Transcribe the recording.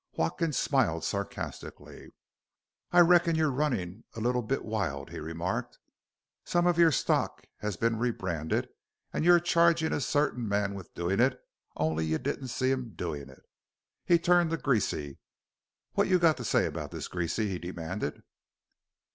Watkins smiled sarcastically. "I reckon you're runnin' a little bit wild," he remarked. "Some of your stock has been rebranded an' you're chargin' a certain man with doin' it only you didn't see him doin' it." He turned to Greasy. "What you got to say about this, Greasy?" he demanded.